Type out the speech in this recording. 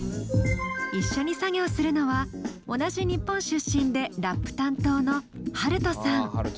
一緒に作業するのは同じ日本出身でラップ担当のＨＡＲＵＴＯさん。